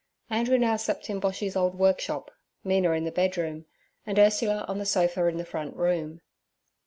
Andrew now slept in Boshy's old workshop, Mina in the bedroom, and Ursula on the sofa in the front room.